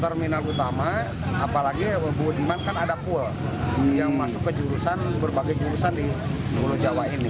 terminal utama apalagi budiman kan ada pul yang masuk ke jurusan berbagai jurusan di pulau jawa ini